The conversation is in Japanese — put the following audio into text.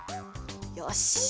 よし。